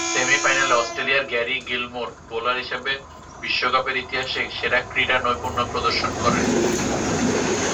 সেমি-ফাইনালে অস্ট্রেলিয়ার Gary Gilmour bowler হিসেবে বিশ্বকাপের ইতিহাসে সেরা ক্রীড়া নৈপুণ্য প্রদর্শন করেন।